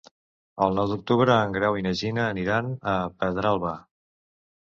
El nou d'octubre en Grau i na Gina aniran a Pedralba.